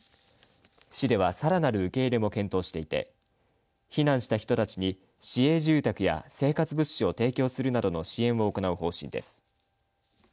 市では、さらなる受け入れも検討していて避難した人たちに市営住宅や生活物資を提供するなどの支援を行う方針です。